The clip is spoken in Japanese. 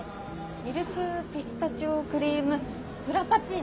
ミルクピスタチオクリームフラパチーノ。